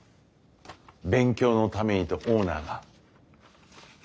勉強のためにとオーナーが。